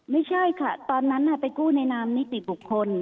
ไม่ใช่ค่ะตอนนั้นไปกู้ในนามนิติบุคคล